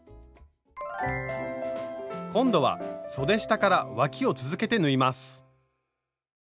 今度はそで下からわきを続けて縫います。